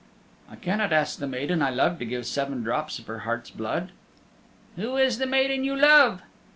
"I cannot ask the maiden I love to give seven drops of her heart's blood." "Who is the maiden you love?"